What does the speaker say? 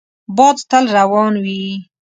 باد تل روان وي